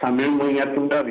sambil mengingat tundal ya